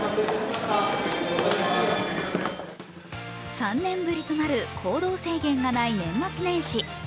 ３年ぶりとなる行動制限がない年末年始。